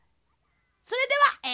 それではえ